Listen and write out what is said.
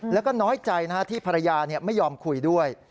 แล้วก็น้อยใจที่ภรรยาไม่ยอมคุยด้วย